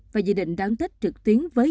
và dự định đón tết trực tuyến với